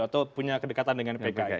atau punya kedekatan dengan pks